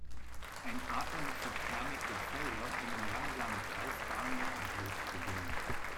Ein Adler nutzt die Thermik der Felder, um in langsamen Kreisbahnen an Höhe zu gewinnen.